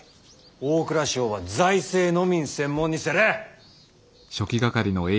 大蔵省は財政のみん専門にせれ！